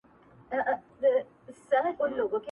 درد کور ټول اغېزمن کوي تل،